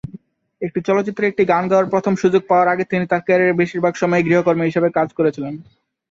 একটি চলচ্চিত্রের একটি গান গাওয়ার প্রথম সুযোগ পাওয়ার আগে তিনি তার ক্যারিয়ারের বেশিরভাগ সময়েই গৃহকর্মী হিসাবে কাজ করেছিলেন।